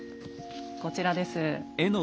こちらです。